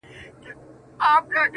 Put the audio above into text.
• پلو مي باد واخیست وړیا دي ولیدمه,